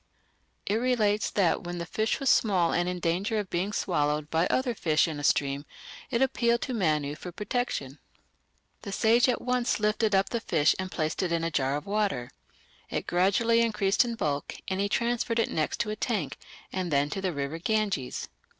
It relates that when the fish was small and in danger of being swallowed by other fish in a stream it appealed to Manu for protection. The sage at once lifted up the fish and placed it in a jar of water. It gradually increased in bulk, and he transferred it next to a tank and then to the river Ganges.